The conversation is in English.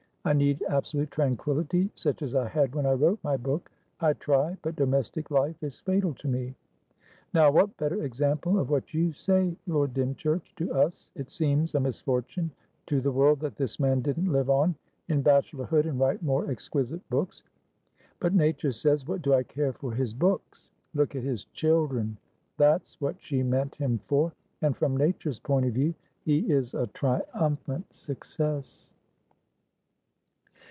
I need absolute tranquillity, such as I had when I wrote my book. I try, but domestic life is fatal to me.' Now, what better example of what you say, Lord Dymchurch? To us it seems a misfortune to the world that this man didn't live on in bachelorhood and write more exquisite books. But nature says 'What do I care for his books?' 'Look at his children!' That's what she meant him for, and from Nature's point of view he is a triumphant success."